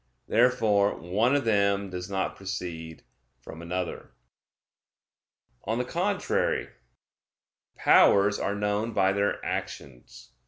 Therefore one of them does not proceed from another. On the contrary, Powers are known by their actions.